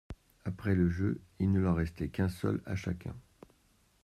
Après le jeu, il ne leur en restait qu’un seul à chacun.